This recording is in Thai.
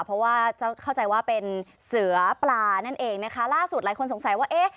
เพราะว่าเข้าใจว่าเป็นเสือปลานั่นเองนะคะล่าสุดหลายคนสงสัยว่าเอ๊ะ